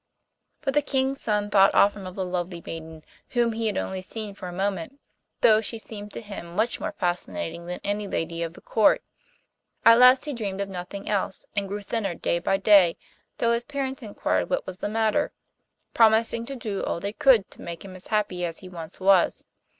But the King's son thought often of the lovely maiden whom he had only seen for a moment, though she seemed to him much more fascinating than any lady of the Court. At last he dreamed of nothing else, and grew thinner day by day till his parents inquired what was the matter, promising to do all they could to make him as happy as he once was.